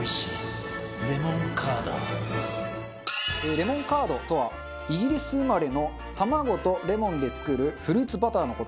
レモンカードとはイギリス生まれの卵とレモンで作るフルーツバターの事。